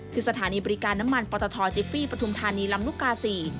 คือสถานีบริการน้ำมันปอตทจิฟี่ปฐุมธานีลำลูกกา๔